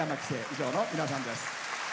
以上の皆さんです。